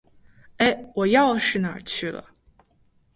哎，我钥匙哪儿去了？